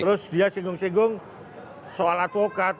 terus dia singgung singgung soal advokat